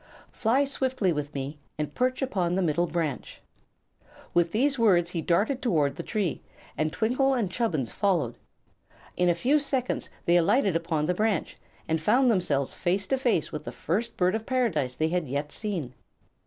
Fly swiftly with me, and perch upon the middle branch." With these words he darted toward the tree, and Twinkle and Chubbins followed. In a few seconds they alighted upon the branch and found themselves face to face with the first Bird of Paradise they had yet seen.